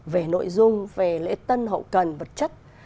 về nội dung về lễ tân hậu cần vật chất